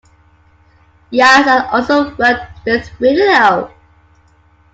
Yass has also worked with video.